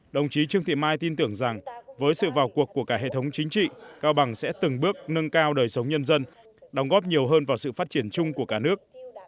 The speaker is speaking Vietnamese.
đồng chí trương thị mai tin tưởng rằng với sự vào cuộc của cả hệ thống chính trị cao bằng sẽ từng bước nâng cao đời sống nhân dân đóng góp nhiều hơn vào sự phát triển chung của cả nước